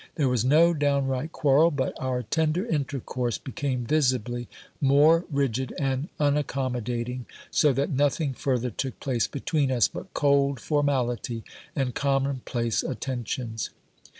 There was no downright quarrel ; but our tender intercourse became visibly more rigid and unaccommodating, so that nothing further took place between us but cold formality and common place attentions.